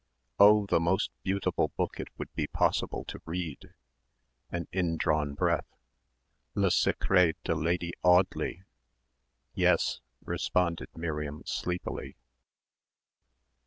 "Oh, the most beautiful book it would be possible to read." An indrawn breath, "Le Secret de Lady Audley." "Yes," responded Miriam sleepily.